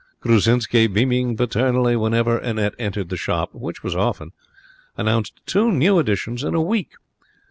Grusczinsky, beaming paternally whenever Annette entered the shop which was often announced two new editions in a week.